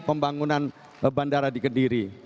pembangunan bandara di kediri